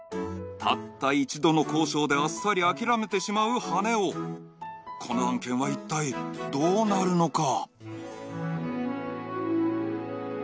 たった一度の交渉であっさり諦めてしまう羽男この案件は一体どうなるのか？